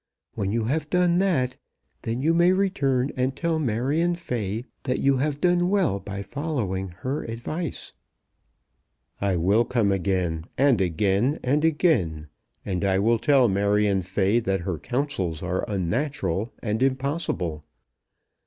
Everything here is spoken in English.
When you have done that, then you may return and tell Marion Fay that you have done well by following her advice." "I will come again, and again, and again, and I will tell Marion Fay that her counsels are unnatural and impossible.